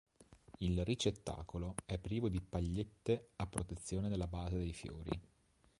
Il ricettacolo è privo di pagliette a protezione della base dei fiori.